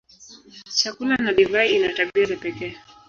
Chakula na divai ina tabia za pekee.